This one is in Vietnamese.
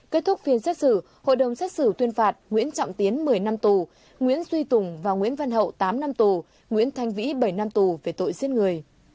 kết thúc phiên xét xử hội đồng xét xử tuyên phạt nguyễn trọng tiến một mươi năm tù nguyễn duy tùng và nguyễn văn hậu tám năm tù nguyễn thanh vĩ bảy năm tù về tội giết người